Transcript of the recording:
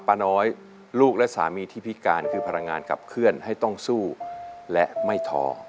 ป้าน้อยลูกและสามีที่พิการคือพลังงานขับเคลื่อนให้ต้องสู้และไม่ท้อ